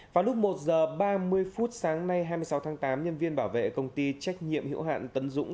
vào lúc một giờ ba mươi phút sáng nay hai mươi sáu tháng tám nhân viên bảo vệ công ty trách nhiệm hiệu hạn tấn dũng